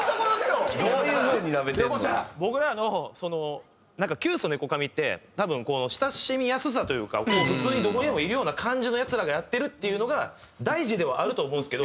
僕らのなんかキュウソネコカミって多分親しみやすさというか普通にどこにでもいるような感じのヤツらがやってるっていうのが大事ではあると思うんですけど。